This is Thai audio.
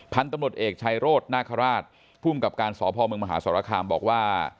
พันธุ์ตำรวจเอกชายโรธนาคาราชภูมิกับการสพเมืองมหาสรคามบอกว่า